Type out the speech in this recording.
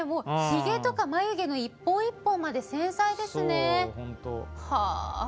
ひげとか眉毛の一本一本まで繊細ですね。